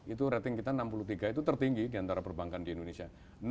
itu rating kita enam puluh tiga itu tertinggi di antara perbankan di indonesia